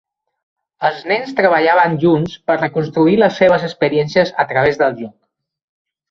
Els nens treballaven junts per reconstruir les seves experiències a través del joc.